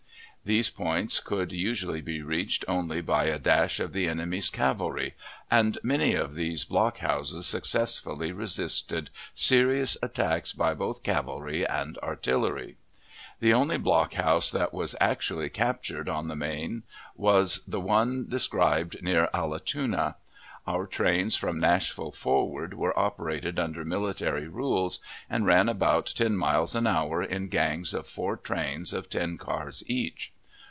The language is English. These points could usually be reached only by a dash of the enemy's cavalry, and many of these block houses successfully resisted serious attacks by both cavalry and artillery. The only block house that was actually captured on the main was the one described near Allatoona. Our trains from Nashville forward were operated under military rules, and ran about ten miles an hour in gangs of four trains of ten cars each.